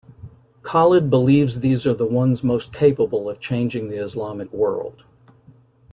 Khaled believes these are the ones most capable of changing the Islamic world.